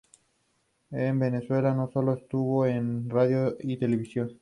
Los restos mortales de la familia se encuentran en la antigua Basílica de Guadalupe.